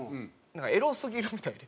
エロすぎるみたいで。